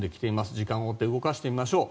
時間を追って動かしてみましょう。